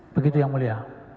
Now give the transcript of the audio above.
begitu ya mulia